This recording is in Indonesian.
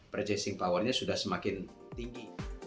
purchasing powernya sudah semakin tinggi